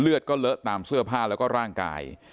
ก็เลอะตามเสื้อผ้าแล้วก็ร่างกาย